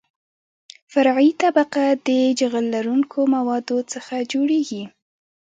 فرعي طبقه د جغل لرونکو موادو څخه جوړیږي